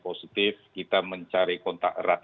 positif kita mencari kontak erat